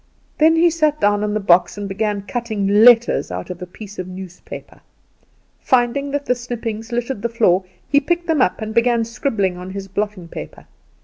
Then he sat down on the box, and began cutting letters out of a piece of newspaper. Finding that the snippings littered the floor, he picked them up and began scribbling on his blotting paper.